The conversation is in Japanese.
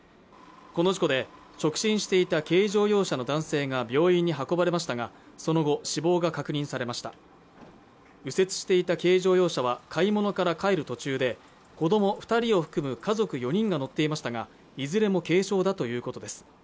この事故で直進していた軽乗用車の男性が病院に運ばれましたがその後死亡が確認されました右折していた軽乗用車は買い物から帰る途中で子ども二人を含む家族４人が乗っていましたがいずれも軽傷だということです